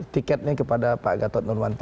tiketnya kepada pak gatot nurmanto